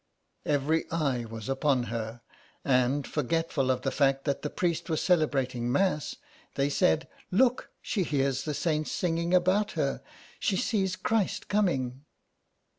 Every eye was upon her, and forgetful of the fact that the priest was celebrating Mass, they said " Look, she hears the saints singing about her. She sees Christ coming.